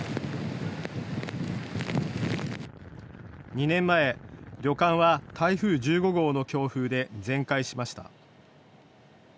２年前、旅館は台風１５号の強風で全壊しました。